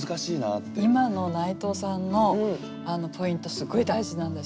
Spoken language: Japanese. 今の内藤さんのポイントすごい大事なんです。